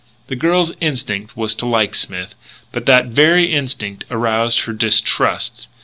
The girl's instinct was to like Smith, but that very instinct aroused her distrust.